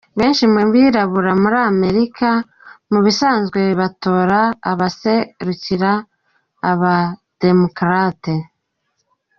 Benshi mu birabura muri Amerika mu bisanzwe batora abaserukira aba Democrates.